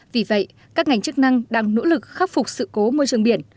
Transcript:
vì vậy các ngành chức năng đang nỗ lực khắc phục sự cố môi trường biển